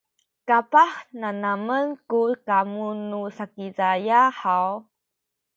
kapah nanamen ku kamu nu Sakizaya haw?